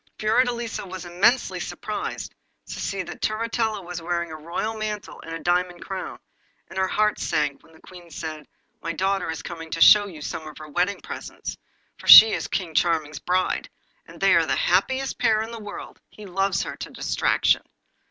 Fiordelisa was immensely surprised to see that Turritella was wearing a royal mantle and a diamond crown, and her heart sank when the Queen said: 'My daughter is come to show you some of her wedding presents, for she is King Charming's bride, and they are the happiest pair in the world, he loves her to distraction.